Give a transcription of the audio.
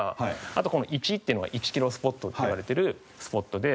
あとこの１っていうのが１キロスポットっていわれてるスポットで。